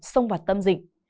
xông vặt tâm dịch